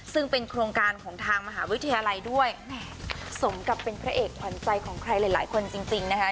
ซึ่งเป็นโครงการของทางมหาวิทยาลัยด้วยสมกับเป็นพระเอกขวัญใจของใครหลายคนจริงนะคะ